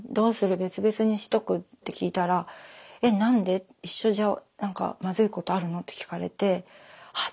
別々にしとく？」って聞いたら「えっなんで？一緒じゃなんかまずいことあるの？」って聞かれては！